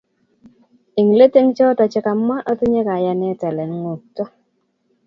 Eng let eng choto che kamwa otinye kayanet ale ngotko